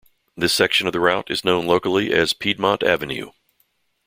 This section of the route is known locally as "Piedmont Avenue".